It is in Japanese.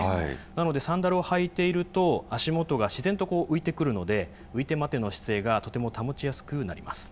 なのでサンダルを履いていると、足元が自然と浮いてくるので、浮いて待ての姿勢がとても保ちやすくなります。